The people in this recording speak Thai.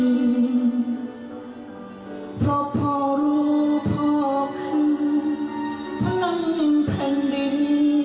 เพราะพ่อรู้พ่อคือพลังหนึ่งแผ่นดิน